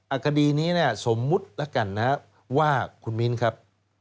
อักษรีนี้สมมุติแล้วกันว่าคุณมินครับ